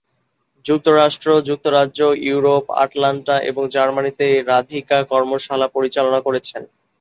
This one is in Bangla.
যুক্তরাষ্ট্র, যুক্তরাজ্য, ইউরোপ, আটলান্টা এবং জার্মানিতে রাধিকা কর্মশালা পরিচালনা করেছেন।